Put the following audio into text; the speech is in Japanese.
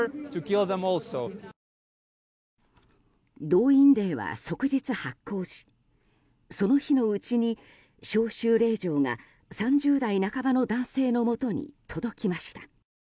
動員令は即日発効しその日のうちに招集令状が３０代半ばの男性のもとに届きました。